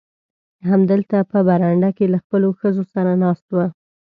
همدلته په برنډه کې له خپلو ښځو سره ناست و.